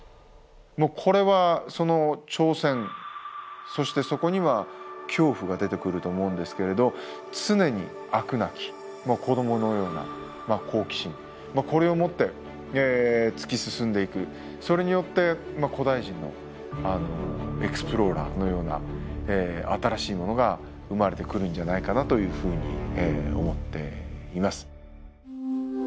もうこれはその挑戦そしてそこには恐怖が出てくると思うんですけれど常にそれによって古代人のエクスプローラーのような新しいものが生まれてくるんじゃないかなというふうに思っています。